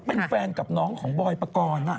เป็นแฟนกับน้องของบอยปกรณ์